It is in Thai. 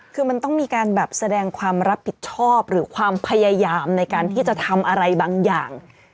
คือมันต้องมีการแบบแสดงความรับผิดชอบหรือความพยายามในการที่จะทำอะไรบางอย่าง